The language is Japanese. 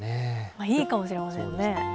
いいかもしれませんね。